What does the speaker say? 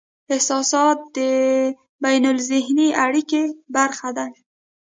احساسات د بینالذهني اړیکې برخه دي.